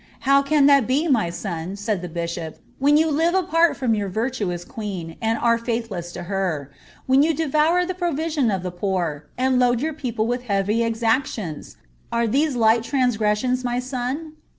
How can that he, my son," said the hishop, when you live apart from your virtuous queen, and are faithless to her — when you devour the provision of the poor, and load your people with heavy exactions ? Are these light transgressions, my son